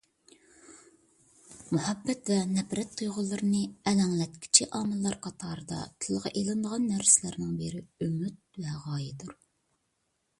مۇھەببەت ۋە نەپرەت تۇيغۇلىرىنى ئەلەڭلەتكۈچى ئامىللار قاتارىدا تىلغا ئېلىنىدىغان نەرسىلەرنىڭ بىرى ئۈمىد ۋە غايەدۇر.